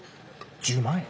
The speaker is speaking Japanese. １０万円。